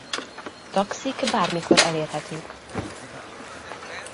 Taxik bármikor elérhetők.